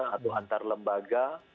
atau antar lembaga